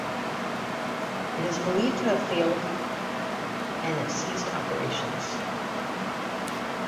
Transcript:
It is believed to have failed and it ceased operations.